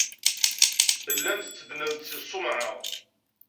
Tellam tetteddnem-d seg tṣumɛa.